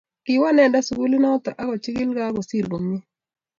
kiwoo inendet sugulit noto ak kochilgei ak kosir komie